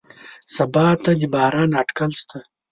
سبا ته د باران اټکل شته